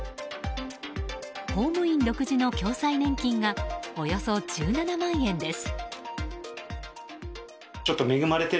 公務員独自の共済年金がおよそ１７万円です。